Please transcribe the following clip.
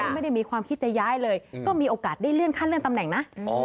ไม่ได้มีความคิดจะย้ายเลยก็มีโอกาสได้เลื่อนขั้นเลื่อนตำแหน่งนะ